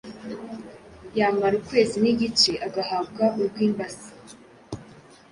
Yamara ukwezi n’igice agahabwa urw’imbasa,